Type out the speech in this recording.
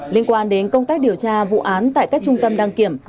liên quan đến công tác điều tra vụ án tại các trung tâm đăng kiểm